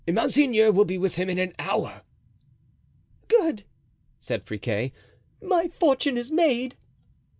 Monseigneur will be with him in an hour." "Good!" said Friquet, "my fortune is made."